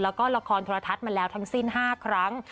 แล้วก็ละครโทรทัศน์มาแล้วทั้งสิ้น๕ครั้ง